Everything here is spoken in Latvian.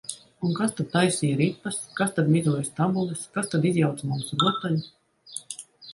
Un kas tad taisīja ripas, kas tad mizoja stabules, kas tad izjauca mums rotaļu?